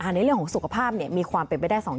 ในเรื่องของสุขภาพมีความเป็นไปได้